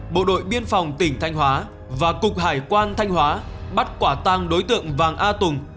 bộ đội biên phòng tỉnh thanh hóa và cục hải quan thanh hóa bắt quả tăng đối tượng vàng a tùng